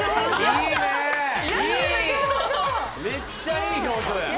いい表情めっちゃいい表情やん